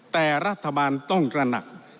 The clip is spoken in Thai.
แต่รัฐบาลต้องตระหนัก